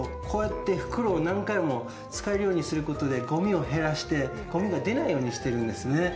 こうやって袋を何回も使えるようにすることで、ごみを減らして、ごみが出ないようにしているんですね。